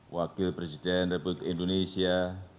wakil presiden republik indonesia